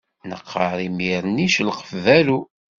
Neqqaṛ imir-nni celqef berru.